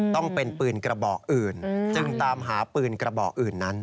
ต้องเป็นปืนกระบอกอื่นจึงตามหาปืนกระบอกอื่นนั้น